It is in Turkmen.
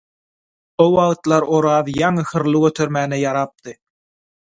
O wagtlar Oraz ýaňy hyrly götermäge ýarapdy.